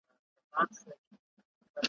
د زړه مېنه مي خالي ده له سروره `